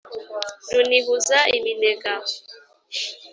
Runihuza iminega